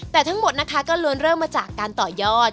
แต่ทั้งหมดนะคะก็ล้วนเริ่มมาจากการต่อยอด